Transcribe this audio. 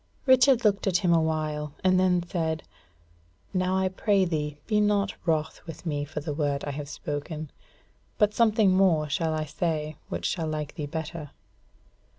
Richard looked at him a while; and then said: "Now, I pray thee be not wroth with me for the word I have spoken. But something more shall I say, which shall like thee better.